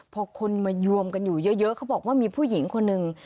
พอคนมารวมกันอยู่เยอะเขาบอกว่ามีผู้หญิงคนหนึ่ง